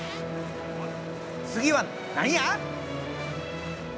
次は何や！？